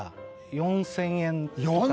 ４０００円！